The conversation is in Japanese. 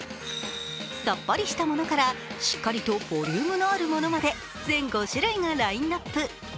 さっぱりしたものからしっかりとボリュームのあるものまで全５種類がラインナップ。